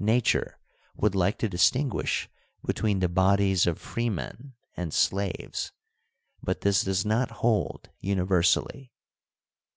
Nature would like to distinguish between the bodies of freemen and slaves ; but this does not hold universally.